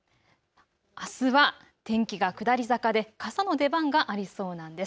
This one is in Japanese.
あすは天気が下り坂で傘の出番がありそうなんです。